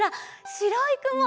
しろいくも！